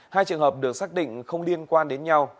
hai trường hợp được xác định không liên quan đến nhau